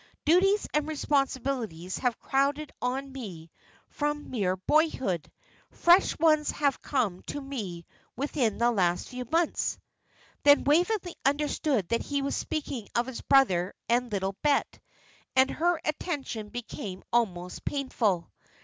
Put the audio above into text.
Duties and responsibilities have crowded on me from mere boyhood. Fresh ones have come to me within the last few months." Then Waveney understood that he was speaking of his brother and little Bet, and her attention became almost painful.